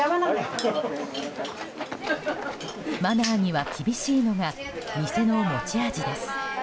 マナーには厳しいのが店の持ち味です。